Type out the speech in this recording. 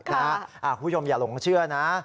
คุณผู้ชมอย่าหลงเชื่อนะ